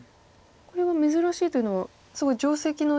これは珍しいというのはすごい定石の。